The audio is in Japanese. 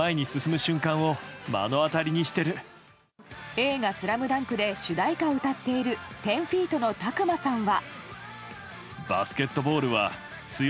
映画「ＳＬＡＭＤＵＮＫ」で主題歌を歌っている１０‐ＦＥＥＴのＴＡＫＵＭＡさんは。